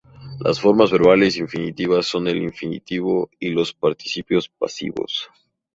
Las formas verbales infinitas son el infinitivo y los participios pasivos.